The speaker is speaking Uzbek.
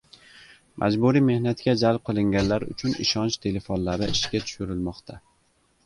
Majburiy mehnatga jalb qilinganlar uchun ishonch telefonlari ishga tushirilmoqda